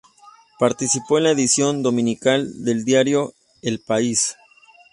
Participó en la edición dominical del diario El País.